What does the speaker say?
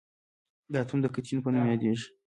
دا اتوم د کتیون په نوم یادیږي.